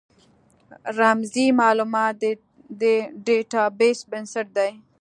رمزي مالومات د ډیټا بیس بنسټ دی.